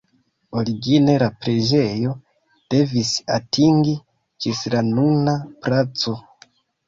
Origine la preĝejo devis atingi ĝis la nuna placo.